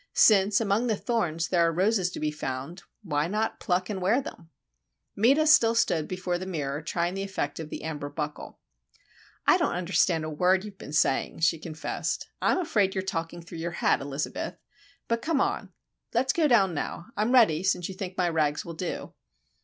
Since, among the thorns, there are roses to be found, why not pluck and wear them? Meta still stood before the mirror, trying the effect of the amber buckle. "I don't understand a word you've been saying," she confessed. "I'm afraid you're talking through your hat, Elizabeth. But, come on. Let's go down now—I'm ready, since you think my rags will do."